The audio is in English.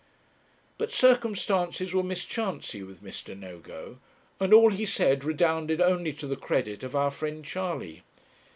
But circumstances were mischancy with Mr. Nogo, and all he said redounded only to the credit of our friend Charley.